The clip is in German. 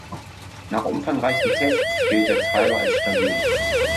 Nach umfangreichen Tests gilt der Treiber als stabil.